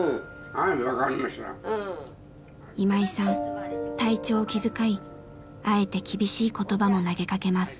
今井さん体調を気遣いあえて厳しい言葉も投げかけます。